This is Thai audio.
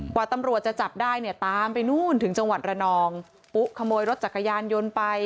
กว่าตำรวจจะจับได้เนี่ยตามไปนู่นถึงจังหวัดระนองปุ๊ขโมยรถจักรยานยนต์ไป